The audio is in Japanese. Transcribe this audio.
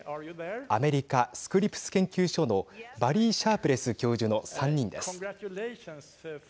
アメリカ、スクリプス研究所のバリー・シャープレス教授の３人です。